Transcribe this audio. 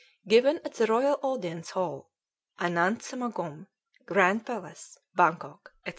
"Given at the Royal Audience Hall, 'Anant Samagome' Grand Palace, Bangkok," etc.